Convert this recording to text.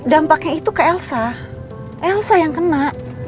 dampaknya itu ke elsa elsa yang kena